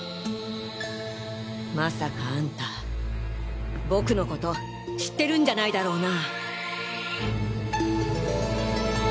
まさかアンタ僕のこと知ってるんじゃないだろうな？